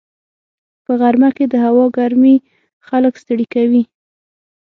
په غرمه کې د هوا ګرمي خلک ستړي کوي